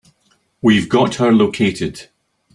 We've got her located.